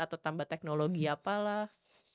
atau tambah teknologi apalah